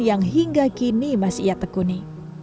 yang hingga kini masih ia tekuni